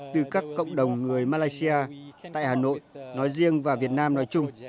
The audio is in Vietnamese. từ các cộng đồng người malaysia tại hà nội nói riêng và việt nam nói chung